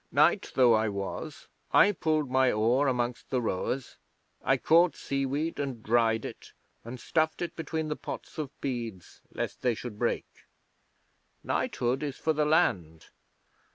Knight though I was, I pulled my oar amongst the rowers. I caught seaweed and dried it, and stuffed it between the pots of beads lest they should break. Knighthood is for the land.